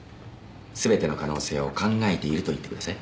全ての可能性を考えていると言ってください。